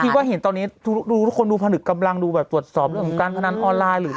เหมือนตอนนี้ทุกคนดูทานุกำลังดูตรวจสอบเรื่องการพนันออนไลน์